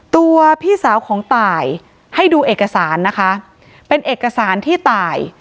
ตัวพี่สาวของตายให้ดูเอกสารนะคะเป็นเอกสารที่ตาย